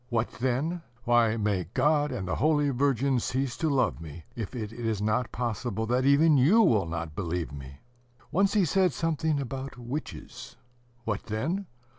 What then? (Why, may God and the Holy Virgin cease to love me if it is not possible that even you will not believe me!) Once he said something about witches; ... What then?